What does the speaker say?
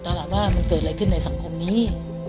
ถามว่ามันเกิดอะไรขึ้นในสังคมนี้